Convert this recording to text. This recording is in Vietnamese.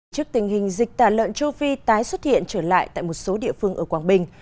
trước tình hình dịch tả lợn châu phi tái xuất hiện trở lại tại một số địa phương ở quảng bình